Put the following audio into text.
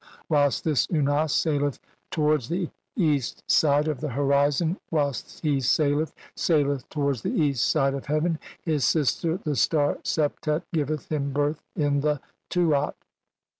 Whilst this Unas saileth towards the east side "of the horizon, whilst he saileth, saileth towards the "east side of heaven, his sister the star Septet giveth "him birth in the Tuat."